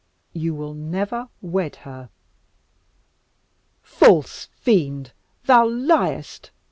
You will never wed her." "False fiend, thou liest!"